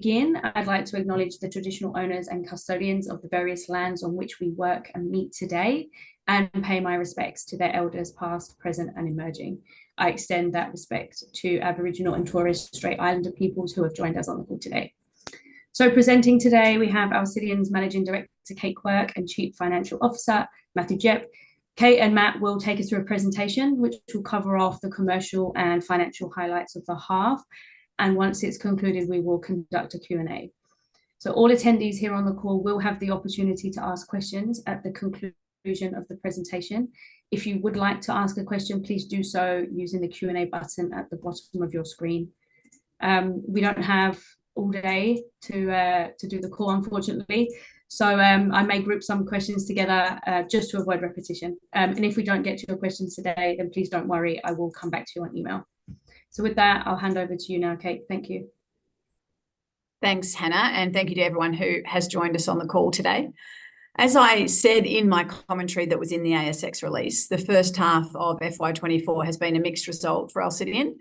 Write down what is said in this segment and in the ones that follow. Again, I'd like to acknowledge the traditional owners and custodians of the various lands on which we work and meet today, and pay my respects to their elders, past, present, and emerging. I extend that respect to Aboriginal and Torres Strait Islander peoples who have joined us on the call today. Presenting today we have Alcidion's Managing Director, Kate Quirke, and Chief Financial Officer, Matthew Gepp. Kate and Matt will take us through a presentation, which will cover off the commercial and financial highlights of the half, and once it's concluded, we will conduct a Q&A. All attendees here on the call will have the opportunity to ask questions at the conclusion of the presentation. If you would like to ask a question, please do so using the Q&A button at the bottom of your screen. We don't have all day to do the call, unfortunately, so I may group some questions together, just to avoid repetition. And if we don't get to your questions today, then please don't worry, I will come back to you on email. So with that, I'll hand over to you now, Kate. Thank you. Thanks, Hannah, and thank you to everyone who has joined us on the call today. As I said in my commentary that was in the ASX release, the first half of FY 2024 has been a mixed result for Alcidion,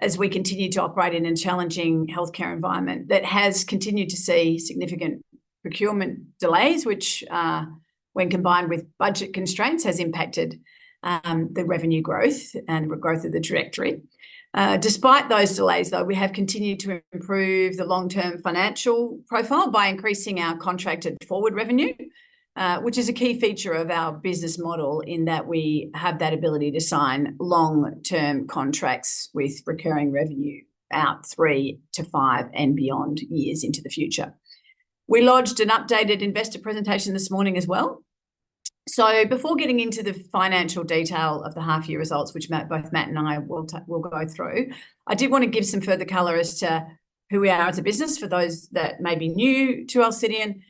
as we continue to operate in a challenging healthcare environment that has continued to see significant procurement delays, which, when combined with budget constraints, has impacted the revenue growth and growth of the directory. Despite those delays, though, we have continued to improve the long-term financial profile by increasing our contracted forward revenue, which is a key feature of our business model, in that we have that ability to sign long-term contracts with recurring revenue out 3-5 and beyond years into the future. We lodged an updated investor presentation this morning as well. So before getting into the financial detail of the half-year results, which Matt, both Matt and I will go through, I did want to give some further color as to who we are as a business, for those that may be new to Alcidion,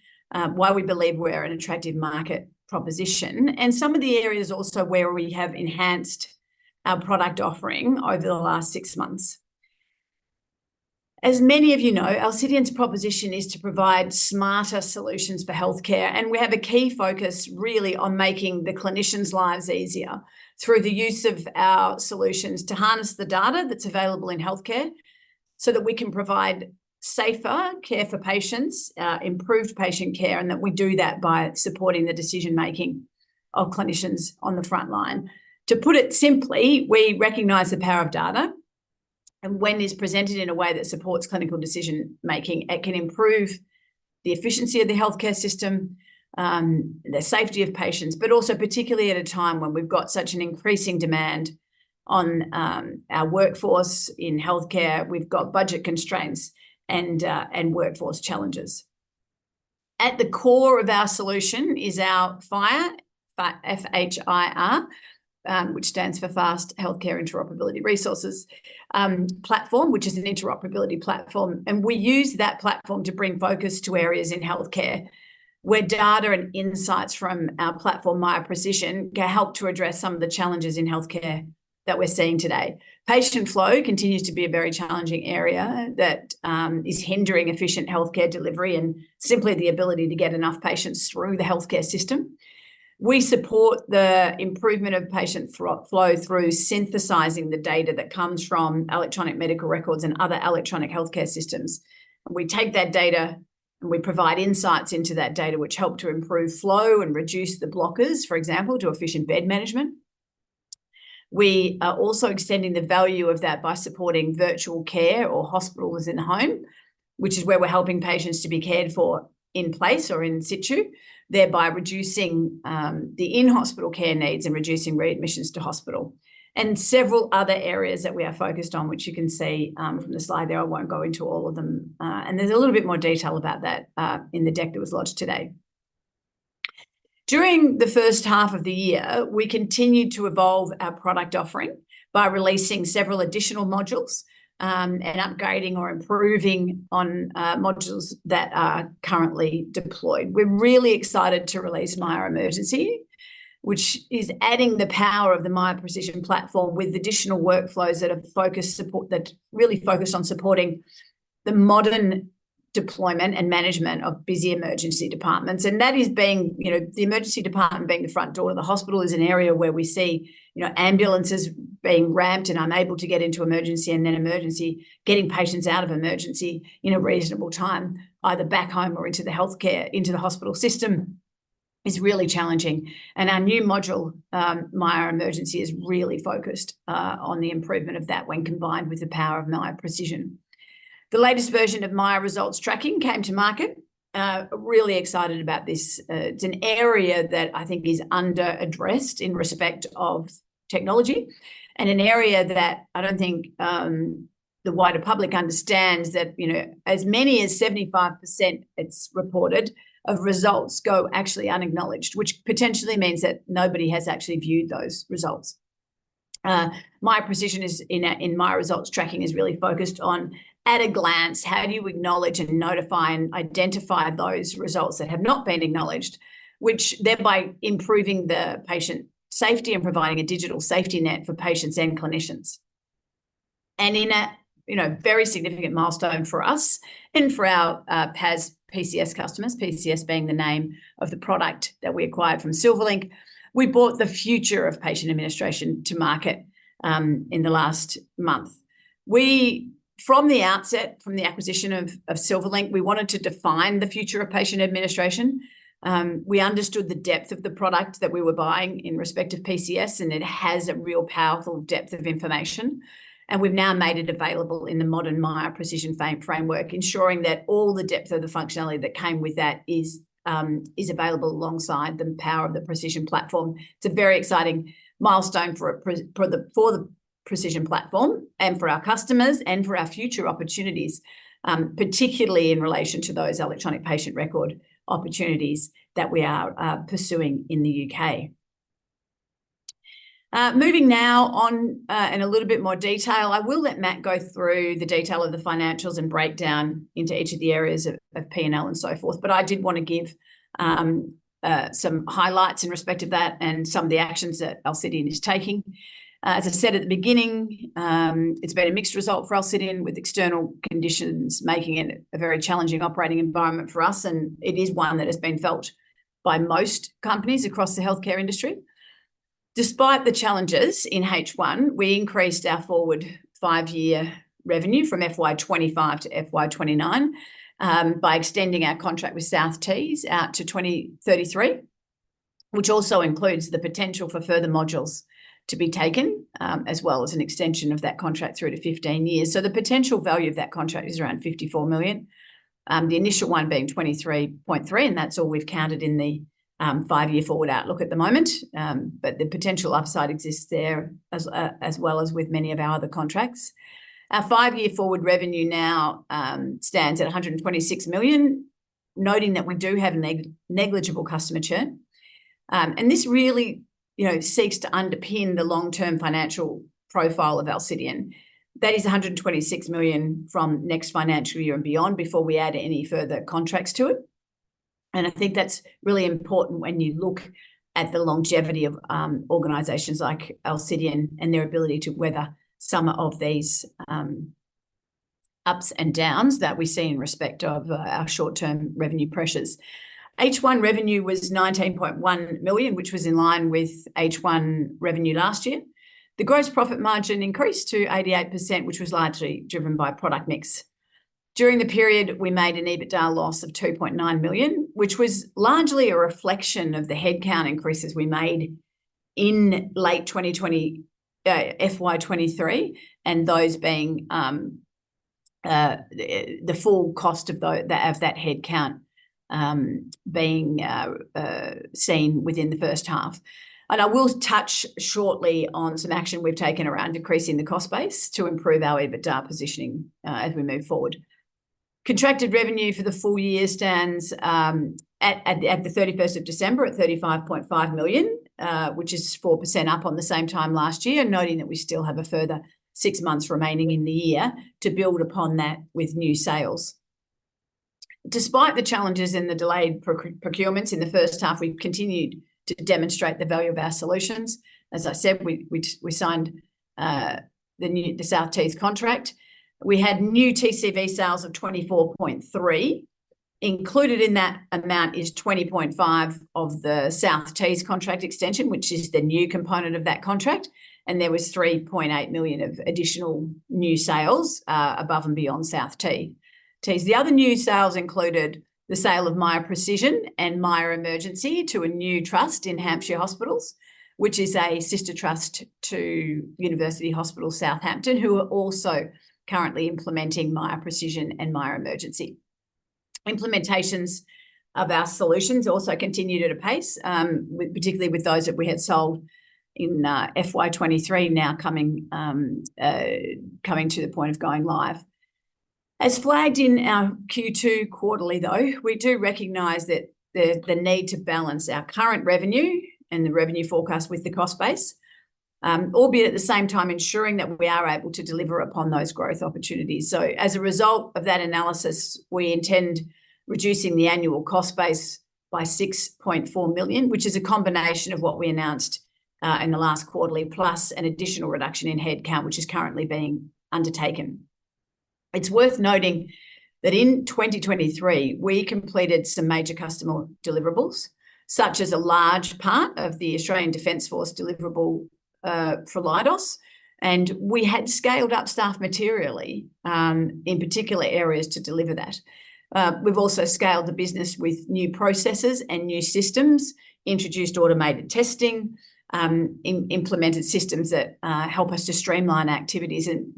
why we believe we're an attractive market proposition, and some of the areas also where we have enhanced our product offering over the last six months. As many of you know, Alcidion's proposition is to provide smarter solutions for healthcare, and we have a key focus, really, on making the clinicians' lives easier through the use of our solutions to harness the data that's available in healthcare, so that we can provide safer care for patients, improved patient care, and that we do that by supporting the decision-making of clinicians on the front line. To put it simply, we recognize the power of data, and when it's presented in a way that supports clinical decision-making, it can improve the efficiency of the healthcare system, the safety of patients, but also particularly at a time when we've got such an increasing demand on, our workforce in healthcare. We've got budget constraints and, and workforce challenges. At the core of our solution is our FHIR, F-H-I-R, which stands for Fast Healthcare Interoperability Resources, platform, which is an interoperability platform, and we use that platform to bring focus to areas in healthcare, where data and insights from our platform, Miya Precision, can help to address some of the challenges in healthcare that we're seeing today. Patient flow continues to be a very challenging area that is hindering efficient healthcare delivery, and simply the ability to get enough patients through the healthcare system. We support the improvement of patient flow through synthesizing the data that comes from electronic medical records and other electronic healthcare systems. We take that data, and we provide insights into that data, which help to improve flow and reduce the blockers, for example, to efficient bed management. We are also extending the value of that by supporting virtual care or hospitals in the home, which is where we're helping patients to be cared for in place or in situ, thereby reducing the in-hospital care needs and reducing readmissions to hospital. Several other areas that we are focused on, which you can see from the slide there, I won't go into all of them. And there's a little bit more detail about that in the deck that was lodged today. During the first half of the year, we continued to evolve our product offering by releasing several additional modules and upgrading or improving on modules that are currently deployed. We're really excited to release Miya Emergency, which is adding the power of the Miya Precision platform with additional workflows that really focused on supporting the modern deployment and management of busy emergency departments. And that is being, you know, the emergency department being the front door of the hospital is an area where we see, you know, ambulances being ramped and unable to get into emergency, and then emergency, getting patients out of emergency in a reasonable time, either back home or into the healthcare, into the hospital system, is really challenging. And our new module, Miya Emergency, is really focused on the improvement of that when combined with the power of Miya Precision. The latest version of Miya Results Tracking came to market. Really excited about this. It's an area that I think is under-addressed in respect of technology, and an area that I don't think the wider public understands, that, you know, as many as 75%, it's reported, of results go actually unacknowledged, which potentially means that nobody has actually viewed those results. Miya Precision is in a, in Miya Results Tracking, is really focused on, at a glance, how do you acknowledge and notify and identify those results that have not been acknowledged? Which thereby improving the patient safety and providing a digital safety net for patients and clinicians. And in a, you know, very significant milestone for us and for our PAS, PCS customers, PCS being the name of the product that we acquired from Silverlink, we brought the future of patient administration to market in the last month. From the outset, from the acquisition of Silverlink, we wanted to define the future of patient administration. We understood the depth of the product that we were buying in respect of PCS, and it has a real powerful depth of information, and we've now made it available in the modern Miya Precision framework, ensuring that all the depth of the functionality that came with that is available alongside the power of the Precision platform. It's a very exciting milestone for the Precision platform, and for our customers, and for our future opportunities, particularly in relation to those electronic patient record opportunities that we are pursuing in the U.K. Moving now on in a little bit more detail, I will let Matt go through the detail of the financials and breakdown into each of the areas of P&L and so forth, but I did wanna give some highlights in respect of that and some of the actions that Alcidion is taking. As I said at the beginning, it's been a mixed result for Alcidion, with external conditions making it a very challenging operating environment for us, and it is one that has been felt by most companies across the healthcare industry. Despite the challenges in H1, we increased our forward five-year revenue from FY 2025 to FY 2029 by extending our contract with South Tees out to 2033, which also includes the potential for further modules to be taken, as well as an extension of that contract through to 15 years. So the potential value of that contract is around 54 million, the initial one being 23.3 million, and that's all we've counted in the five-year forward outlook at the moment. But the potential upside exists there, as well as with many of our other contracts. Our five-year forward revenue now stands at 126 million, noting that we do have negligible customer churn. And this really, you know, seeks to underpin the long-term financial profile of Alcidion. That is 126 million from next financial year and beyond before we add any further contracts to it, and I think that's really important when you look at the longevity of organizations like Alcidion, and their ability to weather some of these ups and downs that we see in respect of our short-term revenue pressures. H1 revenue was 19.1 million, which was in line with H1 revenue last year. The gross profit margin increased to 88%, which was largely driven by product mix. During the period, we made an EBITDA loss of 2.9 million, which was largely a reflection of the headcount increases we made in late 2020, FY 2023, and those being the full cost of that headcount being seen within the first half. I will touch shortly on some action we've taken around decreasing the cost base to improve our EBITDA positioning, as we move forward. Contracted revenue for the full year stands at the 31st of December, at 35.5 million, which is 4% up on the same time last year, noting that we still have a further six months remaining in the year to build upon that with new sales. Despite the challenges in the delayed procurements in the first half, we've continued to demonstrate the value of our solutions. As I said, we signed the new South Tees contract. We had new TCV sales of 24.3 million. Included in that amount is 20.5 of the South Tees contract extension, which is the new component of that contract, and there was 3.8 million of additional new sales, above and beyond South Tees. The other new sales included the sale of Miya Precision and Miya Emergency to a new trust in Hampshire Hospitals, which is a sister trust to University Hospital Southampton, who are also currently implementing Miya Precision and Miya Emergency. Implementations of our solutions also continued at a pace, particularly with those that we had sold in FY 2023, now coming to the point of going live. As flagged in our Q2 quarterly, though, we do recognize that the need to balance our current revenue and the revenue forecast with the cost base, albeit at the same time ensuring that we are able to deliver upon those growth opportunities. So as a result of that analysis, we intend reducing the annual cost base by 6.4 million, which is a combination of what we announced in the last quarterly, plus an additional reduction in headcount, which is currently being undertaken. It's worth noting that in 2023, we completed some major customer deliverables, such as a large part of the Australian Defence Force deliverable for Leidos, and we had scaled up staff materially in particular areas to deliver that. We've also scaled the business with new processes and new systems, introduced automated testing, implemented systems that help us to streamline activities, and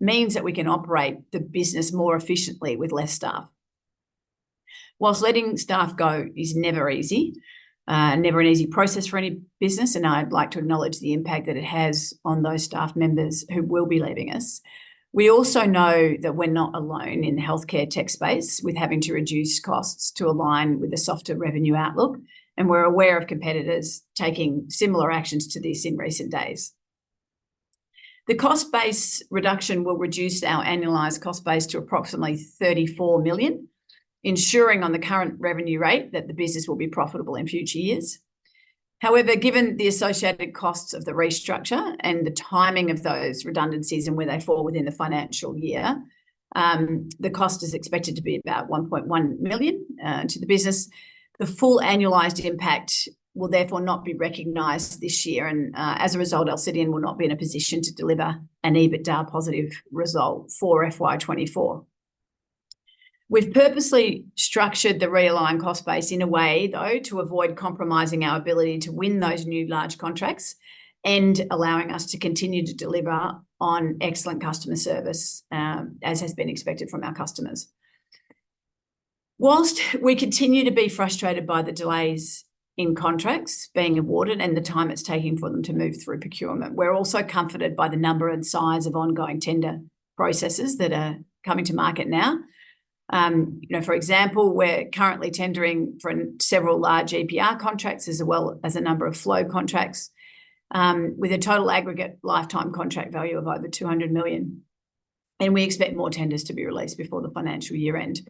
that means that we can operate the business more efficiently with less staff. While letting staff go is never easy, and never an easy process for any business, and I'd like to acknowledge the impact that it has on those staff members who will be leaving us, we also know that we're not alone in the healthcare tech space with having to reduce costs to align with the softer revenue outlook, and we're aware of competitors taking similar actions to this in recent days. The cost base reduction will reduce our annualized cost base to approximately 34 million, ensuring on the current revenue rate that the business will be profitable in future years. However, given the associated costs of the restructure and the timing of those redundancies and where they fall within the financial year, the cost is expected to be about 1.1 million to the business. The full annualized impact will therefore not be recognized this year, and, as a result, Alcidion will not be in a position to deliver an EBITDA positive result for FY 2024. We've purposely structured the realigned cost base in a way, though, to avoid compromising our ability to win those new large contracts and allowing us to continue to deliver on excellent customer service, as has been expected from our customers. While we continue to be frustrated by the delays in contracts being awarded and the time it's taking for them to move through procurement, we're also comforted by the number and size of ongoing tender processes that are coming to market now. You know, for example, we're currently tendering for several large EPR contracts, as well as a number of flow contracts, with a total aggregate lifetime contract value of over 200 million, and we expect more tenders to be released before the financial year end.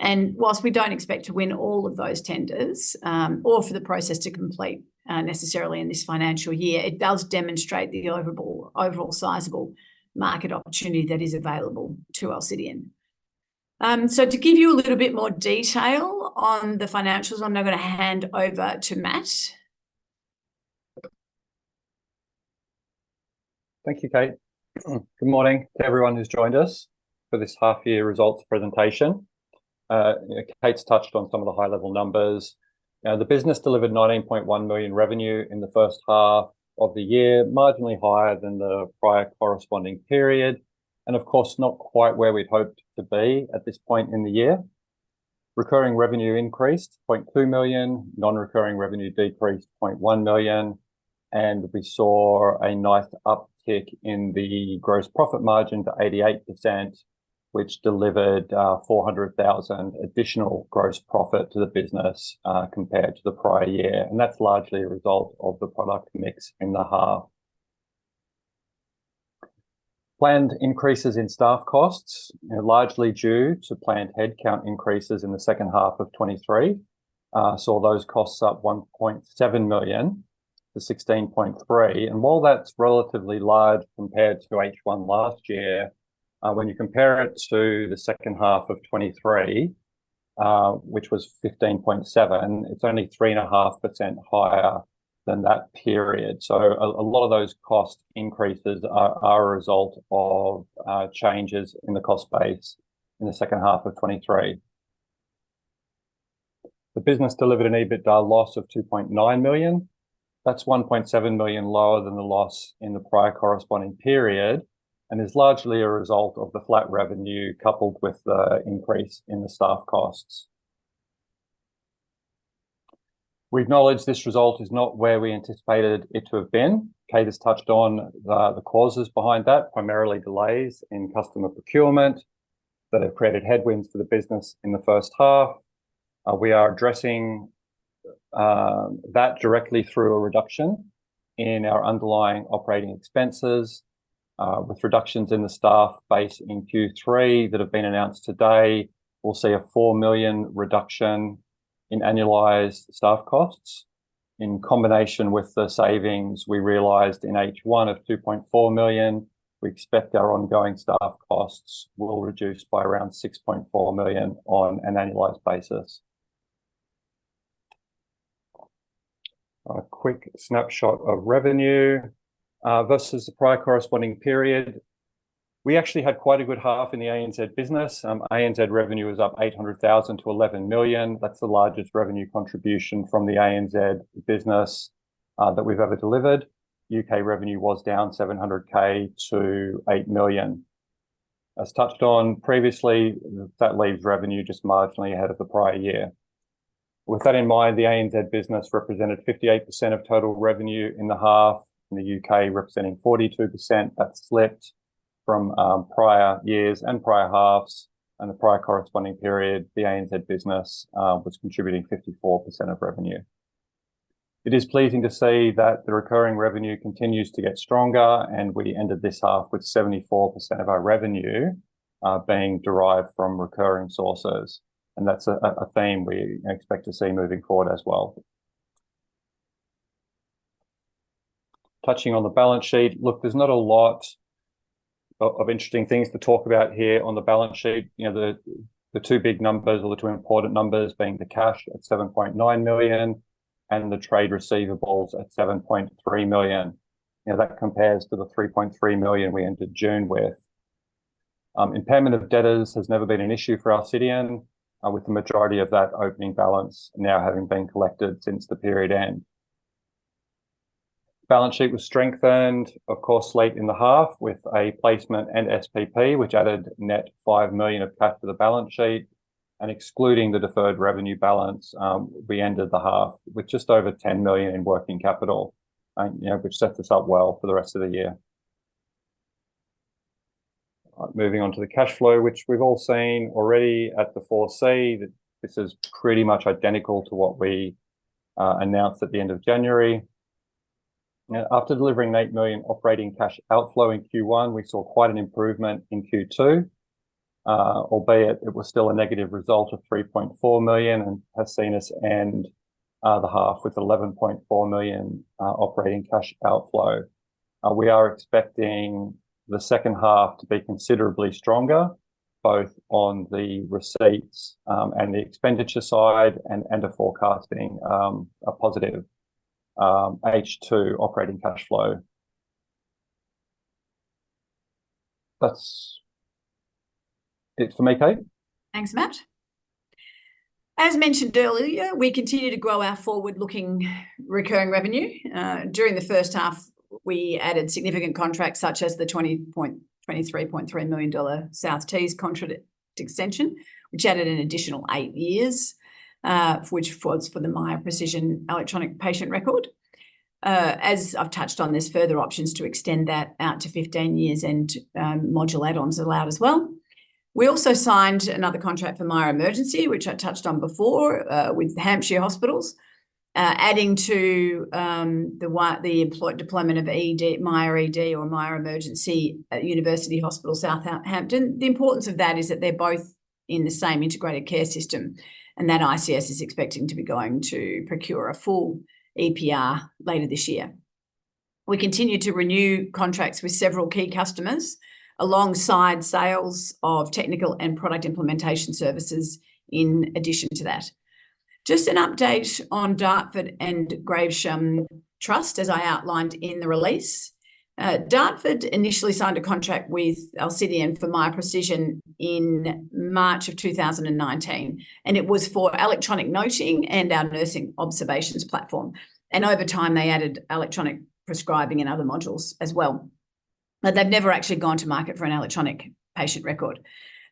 While we don't expect to win all of those tenders, or for the process to complete, necessarily in this financial year, it does demonstrate the overall, overall sizable market opportunity that is available to Alcidion. So to give you a little bit more detail on the financials, I'm now gonna hand over to Matt. Thank you, Kate. Good morning to everyone who's joined us for this half year results presentation. You know, Kate's touched on some of the high-level numbers. Now, the business delivered 19.1 million revenue in the first half of the year, marginally higher than the prior corresponding period, and of course, not quite where we'd hoped to be at this point in the year. Recurring revenue increased 0.2 million, non-recurring revenue decreased 0.1 million, and we saw a nice uptick in the gross profit margin to 88%, which delivered, 400,000 additional gross profit to the business, compared to the prior year. And that's largely a result of the product mix in the half. Planned increases in staff costs, largely due to planned headcount increases in the second half of 2023, saw those costs up 1.7 million to 16.3 million. And while that's relatively large compared to H1 last year, when you compare it to the second half of 2023, which was 15.7 million, it's only 3.5% higher than that period. So a lot of those cost increases are a result of changes in the cost base in the second half of 2023. The business delivered an EBITDA loss of 2.9 million. That's 1.7 million lower than the loss in the prior corresponding period and is largely a result of the flat revenue, coupled with the increase in the staff costs. We acknowledge this result is not where we anticipated it to have been. Kate has touched on the causes behind that, primarily delays in customer procurement that have created headwinds for the business in the first half. We are addressing that directly through a reduction in our underlying operating expenses, with reductions in the staff base in Q3 that have been announced today. We'll see a 4 million reduction in annualized staff costs. In combination with the savings we realized in H1 of 2.4 million, we expect our ongoing staff costs will reduce by around 6.4 million on an annualized basis. A quick snapshot of revenue versus the prior corresponding period. We actually had quite a good half in the ANZ business. ANZ revenue is up 800,000 to 11 million. That's the largest revenue contribution from the ANZ business that we've ever delivered. UK revenue was down 700,000 to 8 million. As touched on previously, that leaves revenue just marginally ahead of the prior year. With that in mind, the ANZ business represented 58% of total revenue in the half, and the UK representing 42%. That's slipped from prior years and prior halves, and the prior corresponding period, the ANZ business was contributing 54% of revenue. It is pleasing to see that the recurring revenue continues to get stronger, and we ended this half with 74% of our revenue being derived from recurring sources, and that's a theme we expect to see moving forward as well. Touching on the balance sheet. Look, there's not a lot of interesting things to talk about here on the balance sheet. You know, the two big numbers or the two important numbers being the cash at 7.9 million and the trade receivables at 7.3 million. You know, that compares to the 3.3 million we ended June with. Impairment of debtors has never been an issue for Alcidion, with the majority of that opening balance now having been collected since the period end. Balance sheet was strengthened, of course, late in the half with a placement and SPP, which added net 5 million of cash to the balance sheet, and excluding the deferred revenue balance, we ended the half with just over 10 million in working capital. And, you know, which sets us up well for the rest of the year. Moving on to the cash flow, which we've all seen already at the 4C, that this is pretty much identical to what we announced at the end of January. Now, after delivering an 8 million operating cash outflow in Q1, we saw quite an improvement in Q2, albeit it was still a negative result of 3.4 million, and has seen us end the half with 11.4 million operating cash outflow. We are expecting the second half to be considerably stronger, both on the receipts and the expenditure side, and, and the forecast being a positive H2 operating cash flow. That's it for me, Kate. Thanks, Matt. As mentioned earlier, we continue to grow our forward-looking recurring revenue. During the first half, we added significant contracts such as the 20-23.3 million dollar South Tees contract extension, which added an additional 8 years, which was for the Miya Precision electronic patient record. As I've touched on, there's further options to extend that out to 15 years, and module add-ons allowed as well. We also signed another contract for Miya Emergency, which I touched on before, with the Hampshire Hospitals, adding to the deployment of ED, Miya Emergency at University Hospital Southampton. The importance of that is that they're both in the same integrated care system, and that ICS is expecting to be going to procure a full EPR later this year. We continue to renew contracts with several key customers, alongside sales of technical and product implementation services in addition to that. Just an update on Dartford and Gravesham NHS Trust, as I outlined in the release. Dartford initially signed a contract with Alcidion for Miya Precision in March 2019, and it was for electronic noting and our nursing observations platform, and over time, they added electronic prescribing and other modules as well. But they've never actually gone to market for an electronic patient record.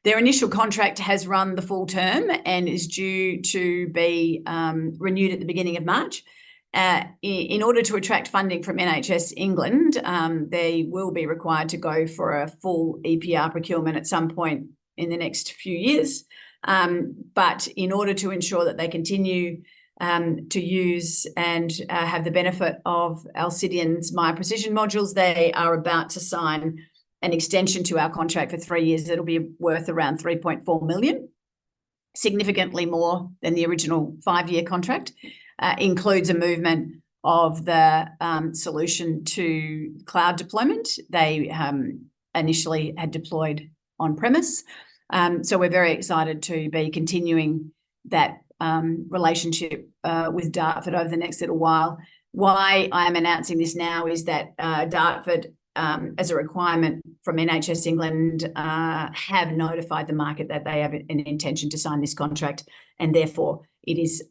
Their initial contract has run the full term and is due to be renewed at the beginning of March. In order to attract funding from NHS England, they will be required to go for a full EPR procurement at some point in the next few years. But in order to ensure that they continue to use and have the benefit of Alcidion's Miya Precision modules, they are about to sign an extension to our contract for three years. It'll be worth around 3.4 million, significantly more than the original five-year contract. Includes a movement of the solution to cloud deployment. They initially had deployed on-premise. So we're very excited to be continuing that relationship with Dartford over the next little while. Why I'm announcing this now is that Dartford, as a requirement from NHS England, have notified the market that they have an intention to sign this contract, and therefore it is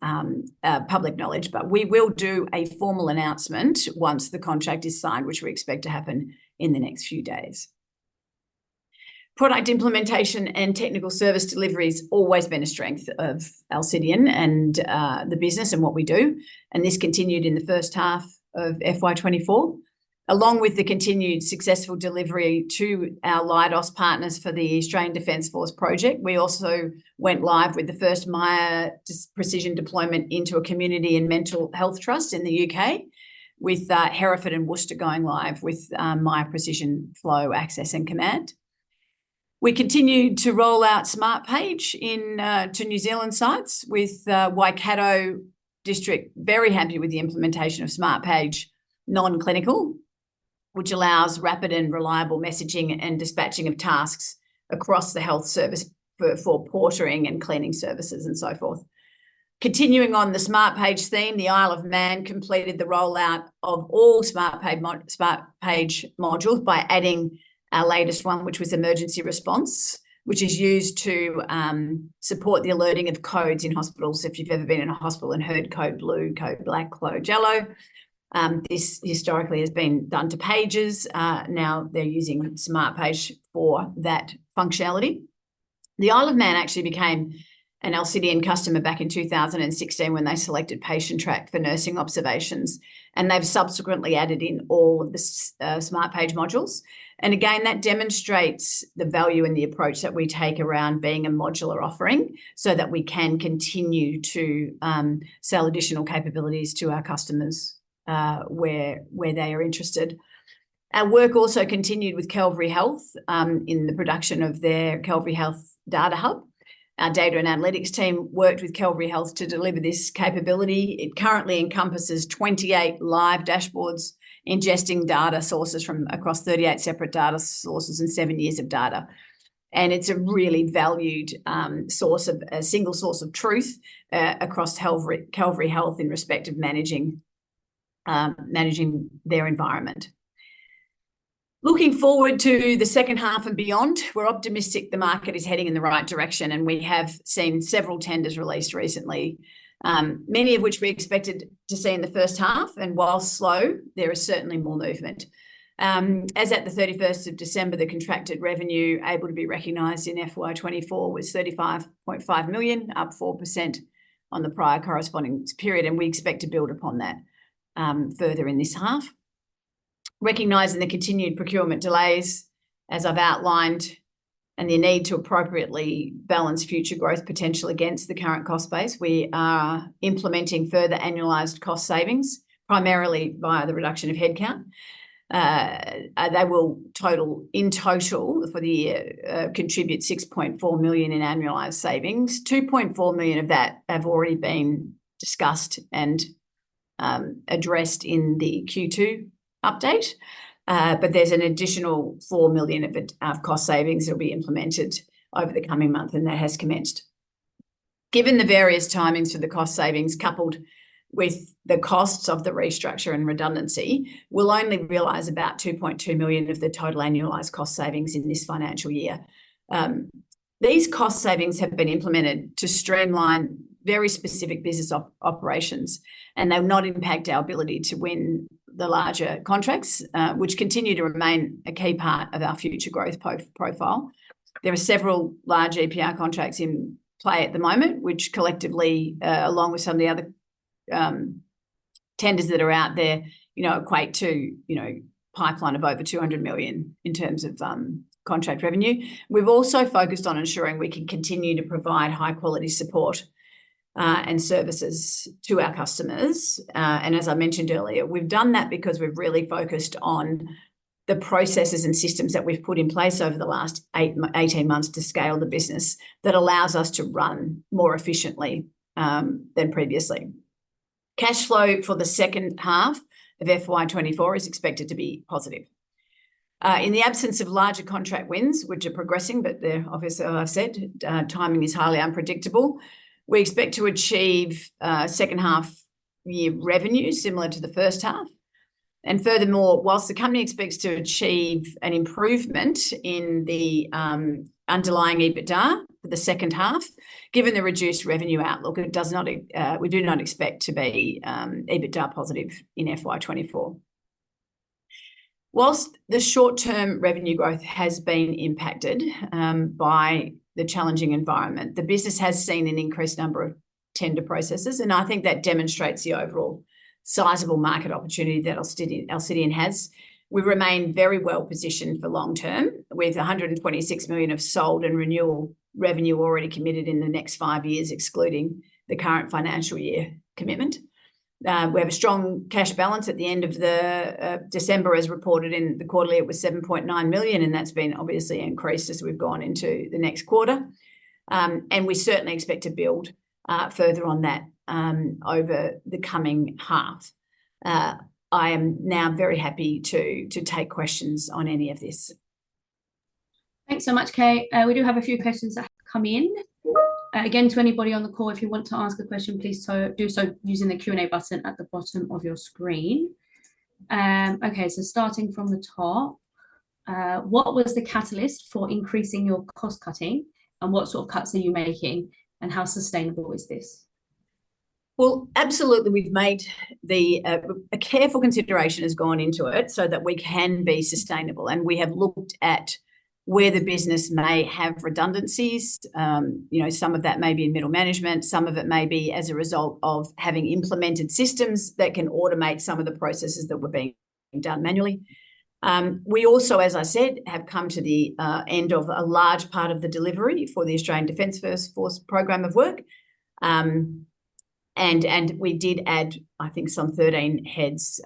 public knowledge. But we will do a formal announcement once the contract is signed, which we expect to happen in the next few days. Product implementation and technical service delivery has always been a strength of Alcidion, and the business, and what we do, and this continued in the first half of FY 2024. Along with the continued successful delivery to our Leidos partners for the Australian Defense Force project, we also went live with the first Miya Precision deployment into a community and mental health trust in the UK, with Herefordshire and Worcestershire going live with Miya Precision Flow, Access, and Command. We continued to roll out Smartpage in to New Zealand sites, with Waikato District very happy with the implementation of Smartpage Non-Clinical, which allows rapid and reliable messaging and dispatching of tasks across the health service for portering and cleaning services, and so forth. Continuing on the Smartpage theme, the Isle of Man completed the rollout of all Smartpage modules by adding our latest one, which was Emergency Response, which is used to support the alerting of codes in hospitals. So if you've ever been in a hospital and heard code blue, code black, code yellow, this historically has been done to pages. Now they're using Smartpage for that functionality. The Isle of Man actually became an Alcidion customer back in 2016 when they selected Patientrack for nursing observations, and they've subsequently added in all of the Smartpage modules. And again, that demonstrates the value and the approach that we take around being a modular offering, so that we can continue to sell additional capabilities to our customers, where they are interested. Our work also continued with Calvary Health in the production of their Calvary Health data hub. Our data and analytics team worked with Calvary Health to deliver this capability. It currently encompasses 28 live dashboards, ingesting data sources from across 38 separate data sources and 7 years of data. It's a really valued source of... A single source of truth across Calvary Health in respect of managing their environment. Looking forward to the second half and beyond, we're optimistic the market is heading in the right direction, and we have seen several tenders released recently. Many of which we expected to see in the first half, and while slow, there is certainly more movement. As at the 31st of December, the contracted revenue able to be recognized in FY 2024 was 35.5 million, up 4% on the prior corresponding period, and we expect to build upon that further in this half. Recognizing the continued procurement delays, as I've outlined, and the need to appropriately balance future growth potential against the current cost base, we are implementing further annualized cost savings, primarily via the reduction of headcount. They will total, in total, for the year, contribute 6.4 million in annualized savings. 2.4 million of that have already been discussed and addressed in the Q2 update. But there's an additional 4 million of it, of cost savings that will be implemented over the coming month, and that has commenced. Given the various timings for the cost savings, coupled with the costs of the restructure and redundancy, we'll only realize about 2.2 million of the total annualized cost savings in this financial year. These cost savings have been implemented to streamline very specific business operations, and they'll not impact our ability to win the larger contracts, which continue to remain a key part of our future growth profile. There are several large EPR contracts in play at the moment, which collectively, along with some of the other tenders that are out there, you know, equate to, you know, pipeline of over 200 million in terms of contract revenue. We've also focused on ensuring we can continue to provide high quality support and services to our customers. As I mentioned earlier, we've done that because we've really focused on the processes and systems that we've put in place over the last 18 months to scale the business, that allows us to run more efficiently than previously. Cash flow for the second half of FY 2024 is expected to be positive. In the absence of larger contract wins, which are progressing, but they're obviously, as I've said, timing is highly unpredictable. We expect to achieve second half year revenue similar to the first half, and furthermore, while the company expects to achieve an improvement in the underlying EBITDA for the second half, given the reduced revenue outlook, it does not, we do not expect to be EBITDA positive in FY 2024. While the short-term revenue growth has been impacted by the challenging environment, the business has seen an increased number of tender processes, and I think that demonstrates the overall sizable market opportunity that Alcidion has. We remain very well positioned for long-term, with 126 million of sold and renewal revenue already committed in the next five years, excluding the current financial year commitment. We have a strong cash balance at the end of December, as reported in the quarterly. It was 7.9 million, and that's been obviously increased as we've gone into the next quarter. And we certainly expect to build further on that over the coming half. I am now very happy to, to take questions on any of this. Thanks so much, Kate. We do have a few questions that have come in. Again, to anybody on the call, if you want to ask a question, please do so using the Q&A button at the bottom of your screen. Okay, so starting from the top, what was the catalyst for increasing your cost cutting? And what sort of cuts are you making, and how sustainable is this? Well, absolutely, we've made a careful consideration has gone into it so that we can be sustainable, and we have looked at where the business may have redundancies. You know, some of that may be in middle management. Some of it may be as a result of having implemented systems that can automate some of the processes that were being done manually. We also, as I said, have come to the end of a large part of the delivery for the Australian Defence Force program of work. And we did add, I think, some 13 heads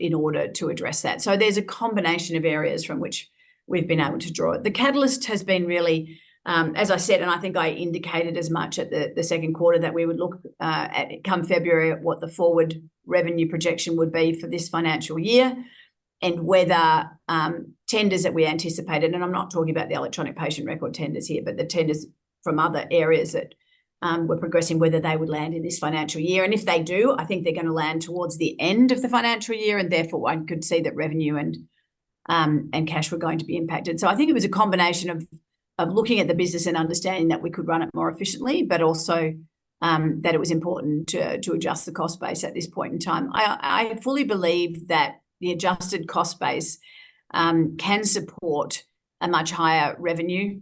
in order to address that. So there's a combination of areas from which we've been able to draw it. The catalyst has been really, as I said, and I think I indicated as much at the second quarter, that we would look, come February, at what the forward revenue projection would be for this financial year, and whether tenders that we anticipated, and I'm not talking about the electronic patient record tenders here, but the tenders from other areas that were progressing, whether they would land in this financial year. And if they do, I think they're gonna land towards the end of the financial year, and therefore, one could see that revenue and cash were going to be impacted. So I think it was a combination of looking at the business and understanding that we could run it more efficiently, but also that it was important to adjust the cost base at this point in time. I fully believe that the adjusted cost base can support a much higher revenue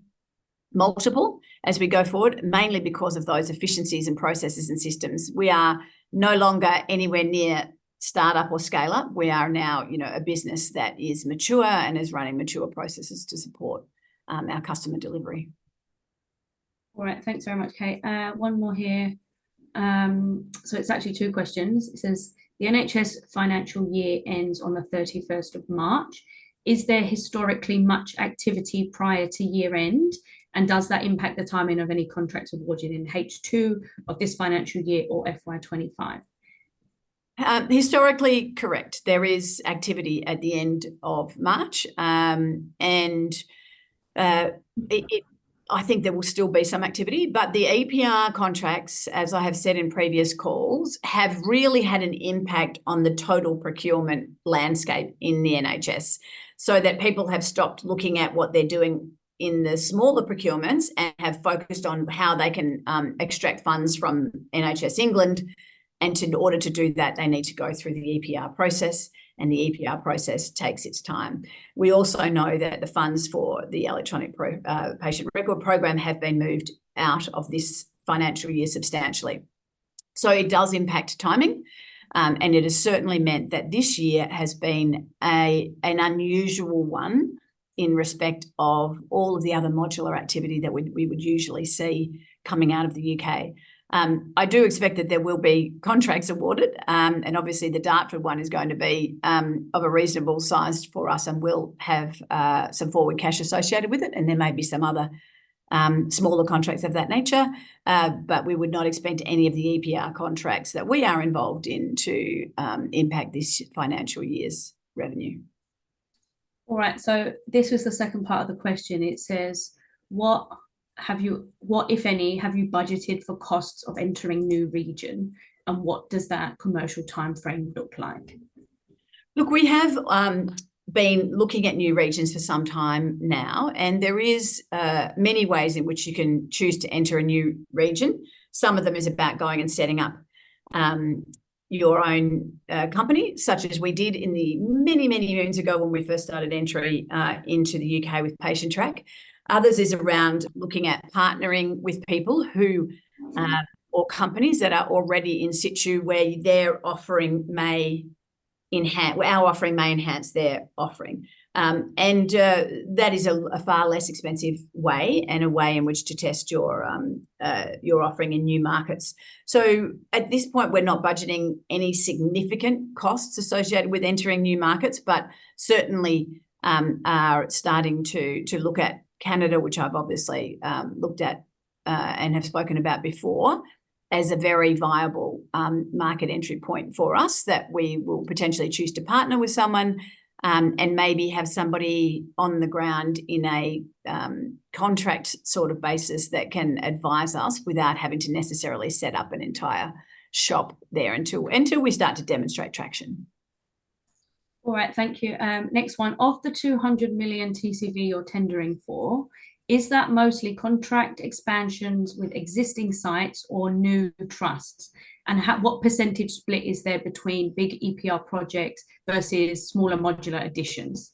multiple as we go forward, mainly because of those efficiencies, and processes, and systems. We are no longer anywhere near start-up or scale-up. We are now, you know, a business that is mature and is running mature processes to support our customer delivery. All right. Thanks very much, Kate. One more here. So it's actually two questions. It says: "The NHS financial year ends on the thirty-first of March. Is there historically much activity prior to year-end, and does that impact the timing of any contracts awarded in H2 of this financial year or FY 2025? Historically, correct. There is activity at the end of March. I think there will still be some activity, but the EPR contracts, as I have said in previous calls, have really had an impact on the total procurement landscape in the NHS. So that people have stopped looking at what they're doing in the smaller procurements and have focused on how they can extract funds from NHS England, and in order to do that, they need to go through the EPR process, and the EPR process takes its time. We also know that the funds for the electronic patient record program have been moved out of this financial year substantially. So it does impact timing, and it has certainly meant that this year has been an unusual one in respect of all of the other modular activity that we would usually see coming out of the UK. I do expect that there will be contracts awarded, and obviously the Dartford one is going to be of a reasonable size for us and will have some forward cash associated with it, and there may be some other smaller contracts of that nature. But we would not expect any of the EPR contracts that we are involved in to impact this financial year's revenue.... All right, so this was the second part of the question. It says, "What, if any, have you budgeted for costs of entering new region, and what does that commercial timeframe look like? Look, we have been looking at new regions for some time now, and there is many ways in which you can choose to enter a new region. Some of them is about going and setting up your own company, such as we did in the many, many moons ago when we first started entry into the UK with Patientrack. Others is around looking at partnering with people who or companies that are already in situ where their offering may enhance our offering may enhance their offering. And that is a far less expensive way and a way in which to test your offering in new markets. So at this point, we're not budgeting any significant costs associated with entering new markets, but certainly are starting to look at Canada, which I've obviously looked at and have spoken about before, as a very viable market entry point for us, that we will potentially choose to partner with someone. And maybe have somebody on the ground in a contract sort of basis that can advise us without having to necessarily set up an entire shop there until we start to demonstrate traction. All right, thank you. Next one. Of the 200 million TCV you're tendering for, is that mostly contract expansions with existing sites or new trusts? And what percentage split is there between big EPR projects versus smaller modular additions?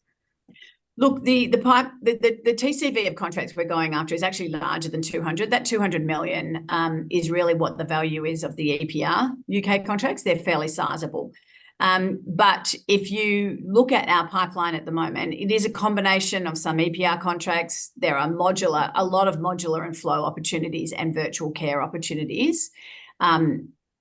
Look, the pipeline. The TCV of contracts we're going after is actually larger than 200 million. That 200 million is really what the value is of the EPR U.K. contracts. They're fairly sizable. But if you look at our pipeline at the moment, it is a combination of some EPR contracts. There are a lot of modular and flow opportunities and virtual care opportunities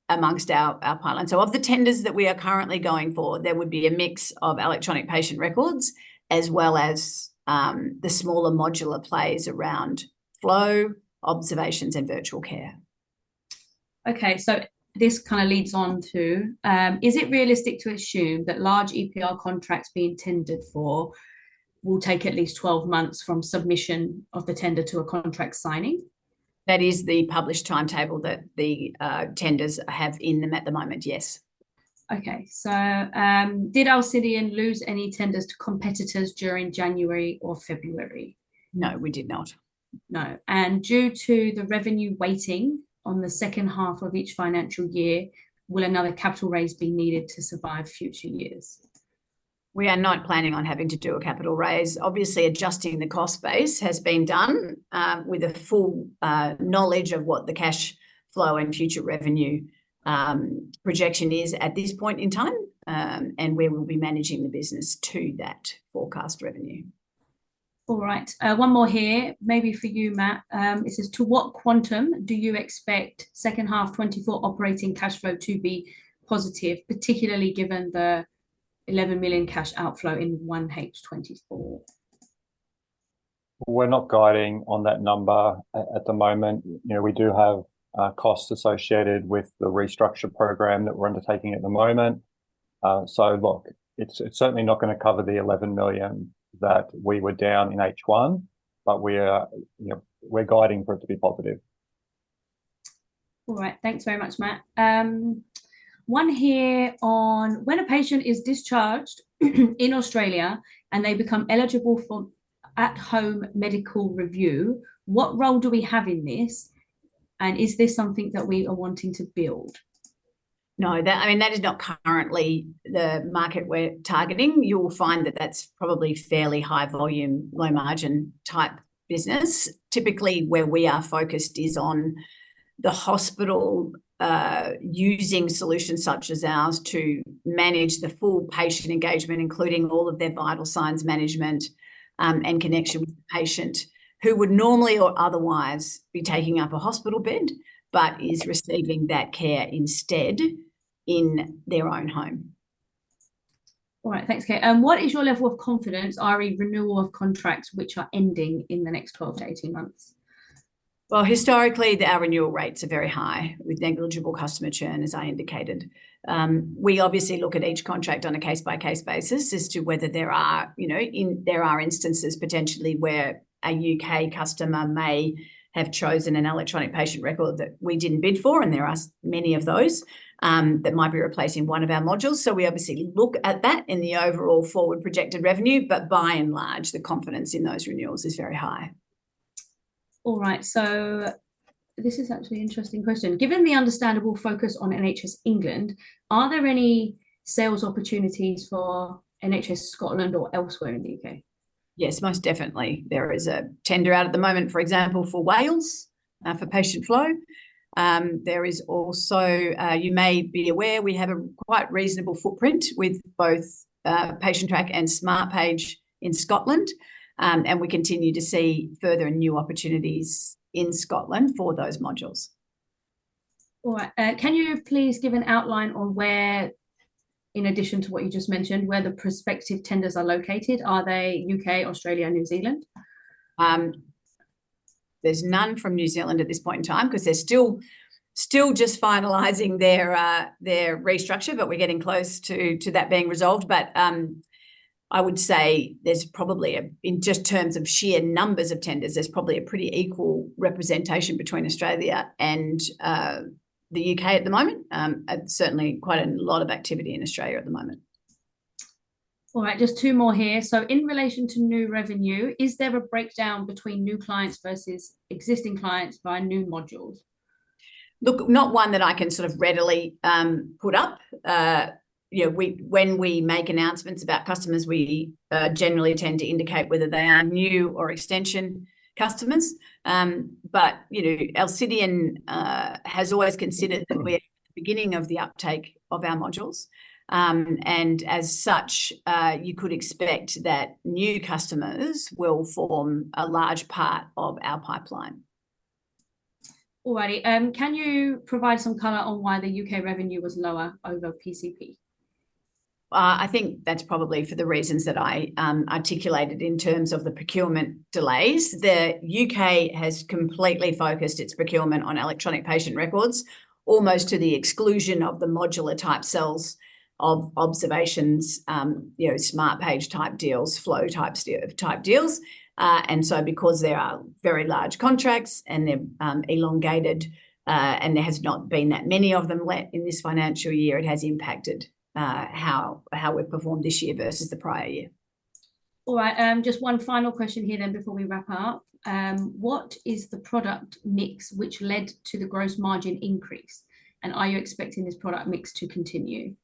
amongst our pipeline. So of the tenders that we are currently going for, there would be a mix of electronic patient records, as well as the smaller modular plays around flow, observations, and virtual care. Okay, so this kind of leads on to: Is it realistic to assume that large EPR contracts being tendered for will take at least 12 months from submission of the tender to a contract signing? That is the published timetable that the tenders have in them at the moment, yes. Okay. So, did Alcidion lose any tenders to competitors during January or February? No, we did not. No. Due to the revenue waiting on the second half of each financial year, will another capital raise be needed to survive future years? We are not planning on having to do a capital raise. Obviously, adjusting the cost base has been done, with a full, knowledge of what the cash flow and future revenue, projection is at this point in time, and we will be managing the business to that forecast revenue. All right, one more here, maybe for you, Matt. It says: To what quantum do you expect second half 2024 operating cash flow to be positive, particularly given the 11 million cash outflow in 1H 2024? We're not guiding on that number at the moment. You know, we do have costs associated with the restructure program that we're undertaking at the moment. So look, it's certainly not gonna cover the 11 million that we were down in H1, but we are, you know, we're guiding for it to be positive. All right. Thanks very much, Matt. One here on: When a patient is discharged in Australia, and they become eligible for at-home medical review, what role do we have in this, and is this something that we are wanting to build? No, that, I mean, that is not currently the market we're targeting. You'll find that that's probably fairly high volume, low margin type business. Typically, where we are focused is on the hospital using solutions such as ours to manage the full patient engagement, including all of their vital signs management, and connection with the patient, who would normally or otherwise be taking up a hospital bed, but is receiving that care instead in their own home. All right, thanks, Kate. What is your level of confidence re renewal of contracts which are ending in the next 12-18 months? Well, historically, our renewal rates are very high, with negligible customer churn, as I indicated. We obviously look at each contract on a case-by-case basis as to whether there are, you know, in, there are instances potentially where a U.K. customer may have chosen an electronic patient record that we didn't bid for, and there are many of those, that might be replacing one of our modules. So we obviously look at that in the overall forward projected revenue, but by and large, the confidence in those renewals is very high. All right, so this is actually interesting question. Given the understandable focus on NHS England, are there any sales opportunities for NHS Scotland or elsewhere in the UK? Yes, most definitely. There is a tender out at the moment, for example, for Wales, for patient flow. There is also, you may be aware, we have a quite reasonable footprint with both, Patientrack and Smartpage in Scotland. And we continue to see further and new opportunities in Scotland for those modules. All right. Can you please give an outline on where, in addition to what you just mentioned, where the prospective tenders are located? Are they UK, Australia, New Zealand?... there's none from New Zealand at this point in time, 'cause they're still just finalizing their restructure, but we're getting close to that being resolved. But I would say there's probably, in just terms of sheer numbers of tenders, there's probably a pretty equal representation between Australia and the UK at the moment. Certainly quite a lot of activity in Australia at the moment. All right, just two more here. So in relation to new revenue, is there a breakdown between new clients versus existing clients by new modules? Look, not one that I can sort of readily put up. You know, when we make announcements about customers, we generally tend to indicate whether they are new or extension customers. But you know, Alcidion has always considered that we're at the beginning of the uptake of our modules. And as such, you could expect that new customers will form a large part of our pipeline. All right, can you provide some color on why the UK revenue was lower over PCP? I think that's probably for the reasons that I articulated in terms of the procurement delays. The UK has completely focused its procurement on electronic patient records, almost to the exclusion of the modular type cells of observations, you know, Smartpage type deals, flow type deals. And so because they are very large contracts and they're elongated, and there has not been that many of them let in this financial year, it has impacted how we've performed this year versus the prior year. All right, just one final question here then before we wrap up. What is the product mix which led to the gross margin increase? And are you expecting this product mix to continue?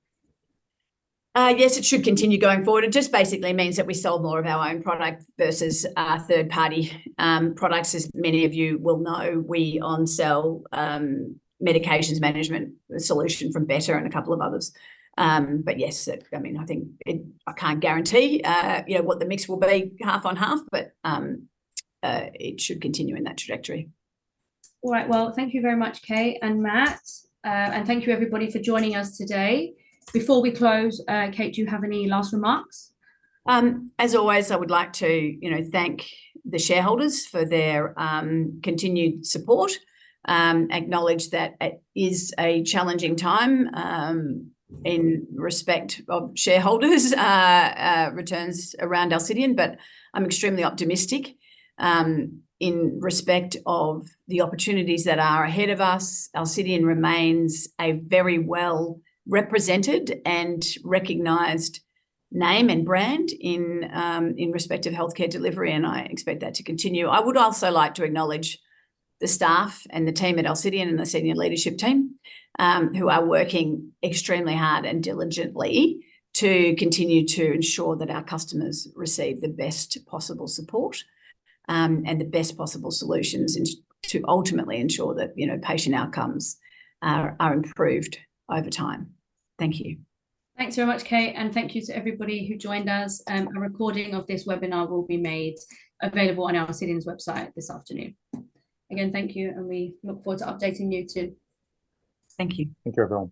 Yes, it should continue going forward. It just basically means that we sell more of our own product versus, third-party, products. As many of you will know, we on-sell, medications management solution from Better and a couple of others. But yes, I mean, I think, I can't guarantee, you know, what the mix will be half on half, but, it should continue in that trajectory. All right, well, thank you very much, Kate and Matt. Thank you everybody for joining us today. Before we close, Kate, do you have any last remarks? As always, I would like to, you know, thank the shareholders for their continued support. Acknowledge that it is a challenging time in respect of shareholders' returns around Alcidion, but I'm extremely optimistic in respect of the opportunities that are ahead of us. Alcidion remains a very well-represented and recognized name and brand in respect of healthcare delivery, and I expect that to continue. I would also like to acknowledge the staff and the team at Alcidion, and the senior leadership team, who are working extremely hard and diligently to continue to ensure that our customers receive the best possible support, and the best possible solutions, to ultimately ensure that, you know, patient outcomes are improved over time. Thank you. Thanks very much, Kate, and thank you to everybody who joined us. A recording of this webinar will be made available on Alcidion's website this afternoon. Again, thank you, and we look forward to updating you too. Thank you. Thank you, everyone.